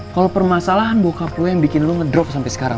kalau permasalahan buka puasa yang bikin lo ngedrop sampai sekarang